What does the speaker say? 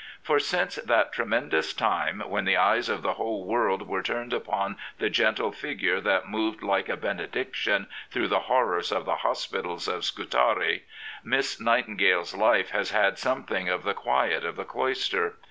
For since that tremendous time, when the eyes of the whole world were turned upon the gentle figure that moved like a benediction through the horrors of the hospitals of Scutari, Miss Nightingale's life has had something of the quiet of the cloister.